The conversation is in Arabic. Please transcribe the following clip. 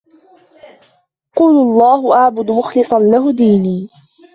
قل الله أعبد مخلصا له ديني